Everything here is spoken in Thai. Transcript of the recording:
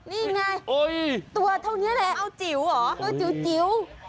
นี่ไงตัวเท่านี้แหละเอาจิ๋วเหรอเออจิ๋ว